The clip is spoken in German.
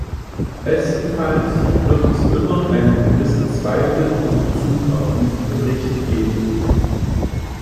Bestenfalls wird es immer einen gewissen Zweifel in Bezug auf diesen Bericht geben.